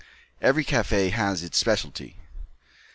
Every café has its speciality.